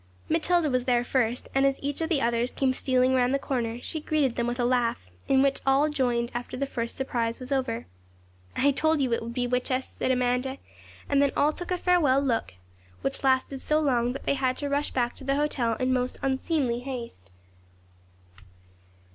Matilda was there first, and as each of the others came stealing round the corner, she greeted them with a laugh, in which all joined after the first surprise was over. 'I told you it would bewitch us,' said Amanda; and then all took a farewell look, which lasted so long that they had to rush back to the hotel in most unseemly haste.